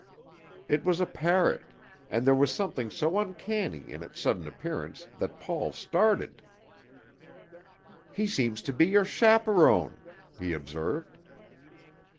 It was a parrot, and there was something so uncanny in its sudden appearance that Paul started: "He seems to be your chaperone!" he observed.